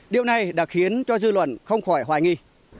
điều này đã khiến cho dư luận không khỏi hoài nghi